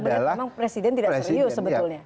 jadi anda berarti memang presiden tidak serius sebetulnya